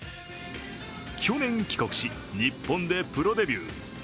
去年、帰国し、日本でプロデビュー。